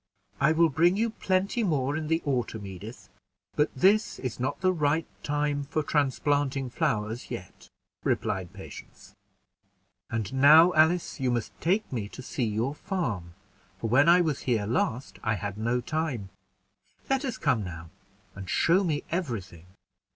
"I will bring you plenty more in the autumn, Edith; but this is not the right time for transplanting flowers yet," replied Patience. "And now, Alice, you must take me to see your farm, for when I was here last I had no time; let us come now, and show me every thing."